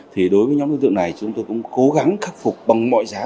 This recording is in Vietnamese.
thì đối với nhóm đối tượng này chúng tôi cũng cố gắng khắc phục bằng mọi giá